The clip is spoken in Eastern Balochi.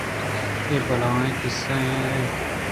اے بلاہیں قِصّہے نہ اَت